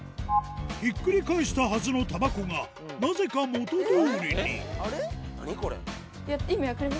ひっくり返したはずのたばこがなぜか元どおりに意味分かります？